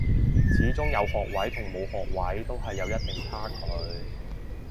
始終有學位同冇學位都係有一定差距